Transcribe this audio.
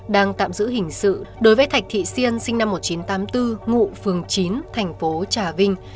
đang tạm giữ hình sự đối với thạch thị siên sinh năm một nghìn chín trăm tám mươi bốn ngụ phường chín thành phố trà vinh